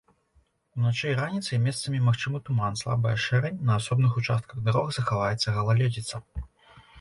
Уначы і раніцай месцамі магчымы туман, слабая шэрань, на асобных участках дарог захаваецца галалёдзіца.